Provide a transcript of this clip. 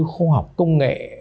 khoa học công nghệ